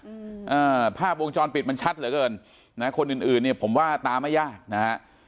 อืมอ่าภาพวงจรปิดมันชัดเหลือเกินนะคนอื่นอื่นเนี้ยผมว่าตาไม่ยากนะฮะ